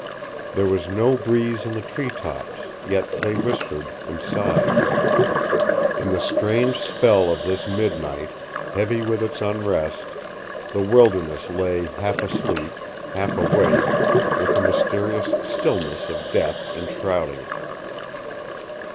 There was no breeze in the treetops, yet they whispered and sighed. In the strange spell of this midnight, heavy with its unrest, the wilderness lay half asleep, half awake, with the mysterious stillness of death enshrouding it.